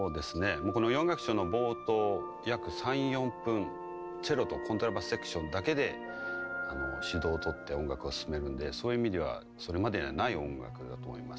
もうこの４楽章の冒頭約３４分チェロとコントラバスセクションだけで主導を取って音楽を進めるのでそういう意味ではそれまでにはない音楽だと思います。